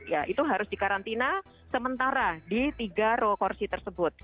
ya itu harus dikarantina sementara di tiga row kursi tersebut